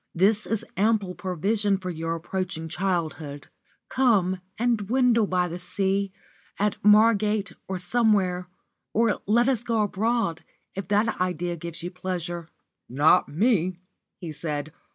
This is ample provision for your approaching childhood. Come and dwindle by the sea at Margate or somewhere. Or let us go abroad, if that idea gives you pleasure." "Not me," he said.